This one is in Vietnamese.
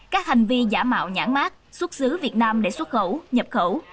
các hành vi giả mạo nhãn mát xuất xứ việt nam để xuất khẩu nhập khẩu